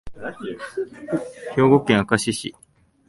兵庫県明石市